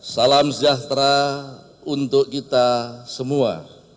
salam sejahtera untuk kita semua